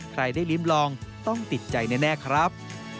ใครได้ลิ้มลองต้องติดใจแน่ครับ